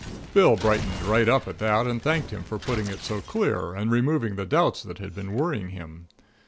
Bill brightened right up at that and thanked him for putting it so clear and removing the doubts that had been worrying him.